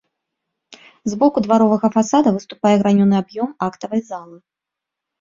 З боку дваровага фасада выступае гранёны аб'ём актавай залы.